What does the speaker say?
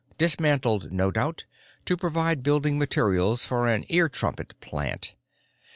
Dismantled, no doubt, to provide building materials for an eartrumpet plant.